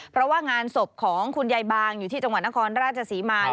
เพราะว่างานศพของคุณยายบางอยู่ที่จังหวัดนครราชศรีมา